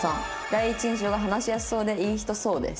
「第一印象が話しやすそうでいい人そうです」。